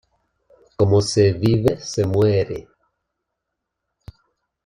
Como se vive, se muere.